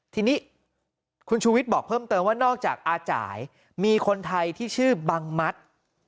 ทีนี้คุณชูวิทย์บอกเพิ่มเติมว่านอกจากอาจ่ายมีคนไทยที่ชื่อบังมัด